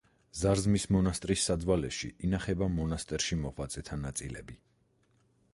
ზარზმის მონასტერის საძვალეში ინახება მონასტერში მოღვაწეთა ნაწილები.